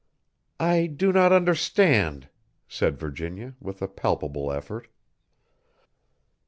"I do not understand," said Virginia, with a palpable effort.